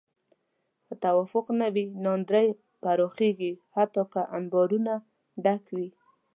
که توافق نه وي، ناندرۍ پراخېږي حتی که انبارونه ډک وي.